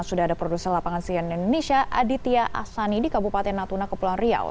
sudah ada produser lapangan cnn indonesia aditya asani di kabupaten natuna kepulauan riau